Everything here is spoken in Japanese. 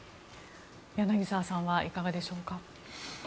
柳澤さんはいかがでしょうか？